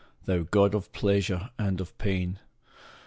Thou god of pleasure and of pain